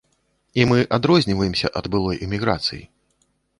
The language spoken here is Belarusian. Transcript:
І мы адрозніваемся ад былой эміграцыі.